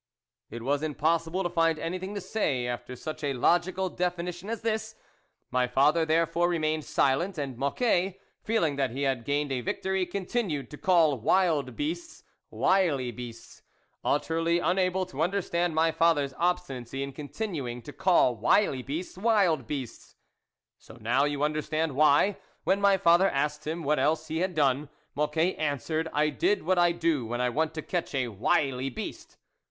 It was impossible to find anything to say after such a logical definition as this. My father, therefore, remained silent, and Mocquet, feeling that he had gained a victory, continued to call wild beasts, wily beasts, utterly unable to understand my father's obstinacy in continuing to call wily beasts, wild beasts. So now you understand why, when my father asked him what else he had done, Mocquet answered, " I did what I do when I want to catch a wily beast."